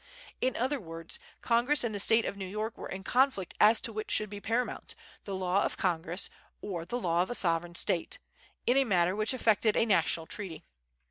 In other words, Congress and the State of New York were in conflict as to which should be paramount, the law of Congress, or the law of a sovereign State, in a matter which affected a national treaty.